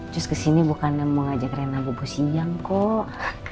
sus kesini bukan mau ngajak rena bubu siang kok